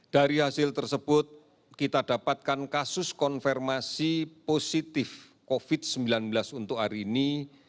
dari hasil tersebut kita dapatkan kasus konfirmasi positif covid sembilan belas untuk hari ini